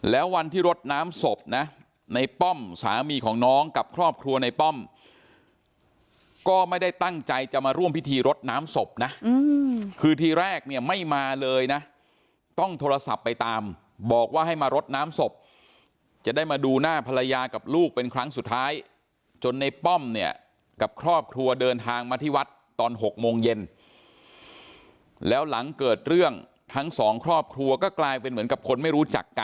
แล้ววันที่รดน้ำศพนะในป้อมสามีของน้องกับครอบครัวในป้อมก็ไม่ได้ตั้งใจจะมาร่วมพิธีรดน้ำศพนะคือทีแรกเนี่ยไม่มาเลยนะต้องโทรศัพท์ไปตามบอกว่าให้มารดน้ำศพจะได้มาดูหน้าภรรยากับลูกเป็นครั้งสุดท้ายจนในป้อมเนี่ยกับครอบครัวเดินทางมาที่วัดตอน๖โมงเย็นแล้วหลังเกิดเรื่องทั้งสองครอบครัวก็กลายเป็นเหมือนกับคนไม่รู้จักก